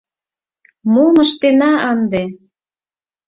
Мом ыштена ынде?